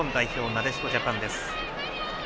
なでしこジャパンです。